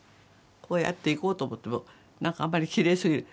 こうやって行こうと思っても何かあんまりきれいすぎる。